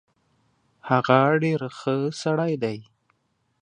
هغه ډیر خه سړی دی